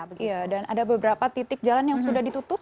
iya dan ada beberapa titik jalan yang sudah ditutup